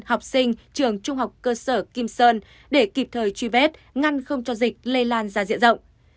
học sinh trường trung học cơ sở kim sơn để kịp thời truy vết ngăn không cho dịch lây lan ra diện rộng